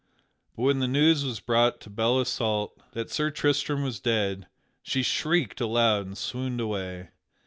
But when the news was brought to Belle Isoult that Sir Tristram was dead, she shrieked aloud and swooned away.